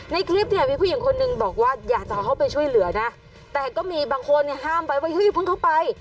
ในคลิปเนี้ยพี่ผู้หญิงคนนึงบอกว่าอยากจะเอาเขาไปช่วยเหลือนะแต่ก็มีบางคนเนี้ยห้ามไปว่าให้พวกเขาไป